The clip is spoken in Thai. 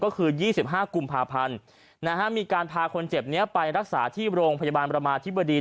ก็คือ๒๕กุมภาพันธ์มีการพาคนเจ็บนี้ไปรักษาที่โรงพยาบาลประมาธิบดี